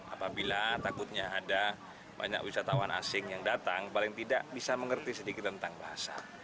apabila takutnya ada banyak wisatawan asing yang datang paling tidak bisa mengerti sedikit tentang bahasa